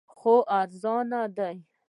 خو ارزانه دی